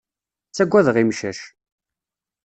Ttagadeɣ imcac.